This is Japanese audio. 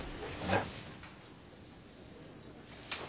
えっ？